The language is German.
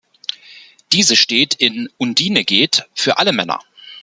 Diese steht in „Undine geht“ für alle Männer.